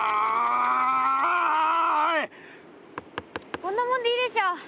こんなもんでいいでしょ。